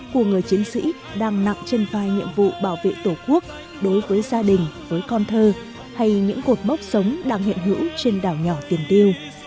của người chiến sĩ đang nặng trên vai nhiệm vụ bảo vệ tổ quốc đối với gia đình với con thơ hay những cột mốc sống đang hiện hữu trên đảo nhỏ tiền tiêu